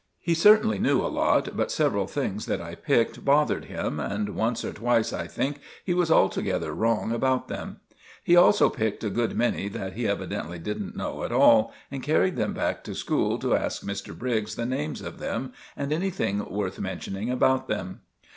He certainly knew a lot, but several things that I picked bothered him, and once or twice, I think, he was altogether wrong about them. He also picked a good many that he evidently didn't know at all, and carried them back to school to ask Mr. Briggs the names of them and anything worth mentioning about them.